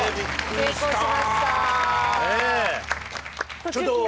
成功しました！